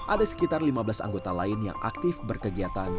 ada sekitar lima belas anggota lain yang aktif berkegiatan